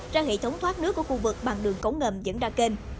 ra hệ thống thoát nước của khu vực bằng đường cống ngầm dẫn ra kênh